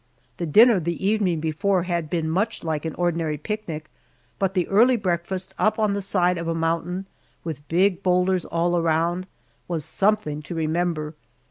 The dinner the evening before had been much like an ordinary picnic, but the early breakfast up on the side of a mountain, with big boulders all around, was something to remember.